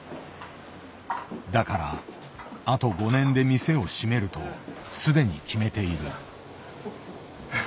だからあと５年で店を閉めるとすでに決めている。